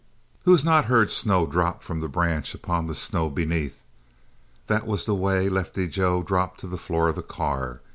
Who has not heard snow drop from the branch upon other snow beneath? That was the way Lefty Joe dropped to the floor of the car.